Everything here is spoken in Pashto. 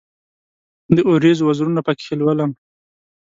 د اوریځو وزرونه پکښې لولم